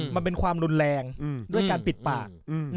มันเป็นความรุนแรงด้วยการปิดปาก